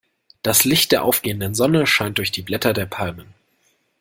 Das Licht der aufgehenden Sonne scheint durch die Blätter der Palmen.